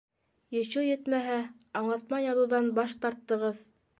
Ещё етмәһә, аңлатма яҙыуҙан баш тарттығыҙ.